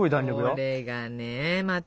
これがねまた。